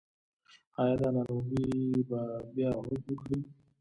ایا دا ناروغي به بیا عود وکړي؟